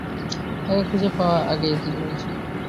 তাকে খুঁজে পাওয়ার আগেই তুই মরে যাবি।